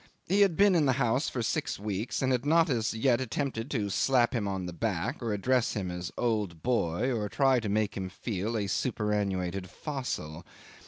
He had been in the house for six weeks, and had not as yet attempted to slap him on the back, or address him as "old boy," or try to make him feel a superannuated fossil.